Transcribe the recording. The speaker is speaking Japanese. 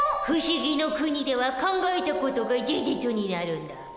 不思議の国では考えた事が事実になるんだ。